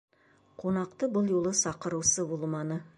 Ҡунаҡты был юлы саҡырыусы булманы.